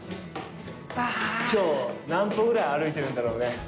今日何歩ぐらい歩いてるんだろうね。